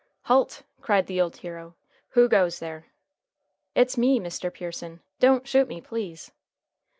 "Halt!" cried the old hero. "Who goes there?" "It's me, Mr. Pearson. Don't shoot me, please."